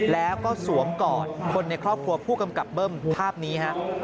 แล้วก็สวมกอดคนในครอบครัวผู้กำกับเบิ้มภาพนี้ฮะ